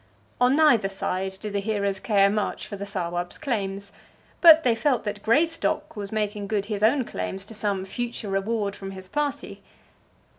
On neither side did the hearers care much for the Sawab's claims, but they felt that Greystock was making good his own claims to some future reward from his party.